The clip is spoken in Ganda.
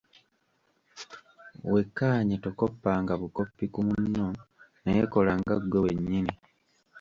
Wekkaanye tokoppanga bukoppi ku munno, naye kolanga ggwe wennyini.